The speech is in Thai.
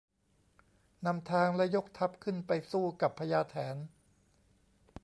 ทำทางและยกทัพขึ้นไปสู้กับพญาแถน